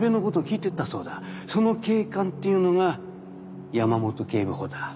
その警官っていうのが山本警部補だ。